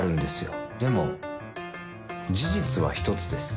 「でも事実は１つです」